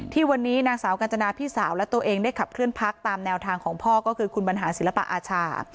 ที่วันนี้นางสาวกัญจนาพี่สาวและตัวเองได้ขับเคลื่อนพักตามแนวทางของพ่อก็คือคุณบรรหารศิลปอาชา